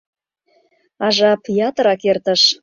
А жап ятырак эртыш.